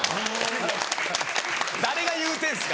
誰が言うてんすか？